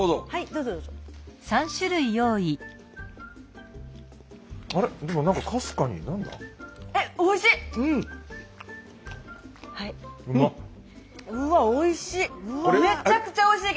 うわおいしい！